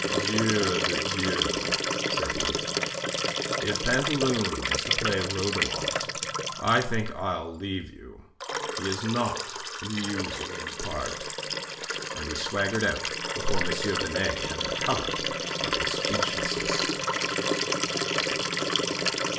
"Dieu de Dieu!" said he. "If Pantaloon is to play Rhodomont, I think I'll leave you. He is not amusing in the part." And he swaggered out before M. Binet had recovered from his speechlessness.